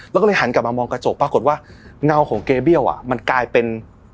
แล้วก็เลยหันกลับมามองกระจกปรากฏว่าเงาของเกเบี้ยวมันกลายเป็น